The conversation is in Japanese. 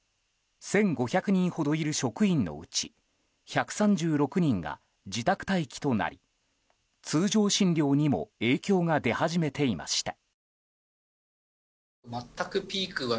１５００人ほどいる職員のうち１３６人が自宅待機となり通常診療にも影響が出始めていました。